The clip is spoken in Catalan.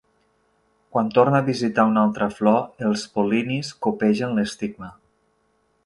Quan torna a visitar una altra flor els pol·linis copegen l'estigma.